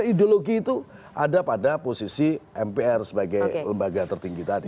ideologi itu ada pada posisi mpr sebagai lembaga tertinggi tadi